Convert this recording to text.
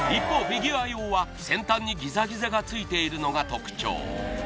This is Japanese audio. フィギュア用は先端にギザギザがついているのが特徴